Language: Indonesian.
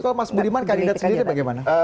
kalau mas budiman kandidat sendiri bagaimana